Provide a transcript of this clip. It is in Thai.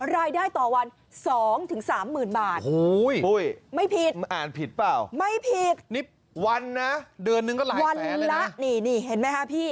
รายได้ต่อวัน๒๓หมื่นบาทโอ้ยไม่ผิดอ่านผิดเปล่าไม่ผิดนี่วันนะเดือนนึงก็หลายแสนเลยนะวันละนี่เห็นมั้ยฮะพี่อ๋อ